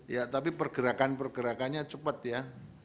ya tapi pergerakan pergerakannya cepat ya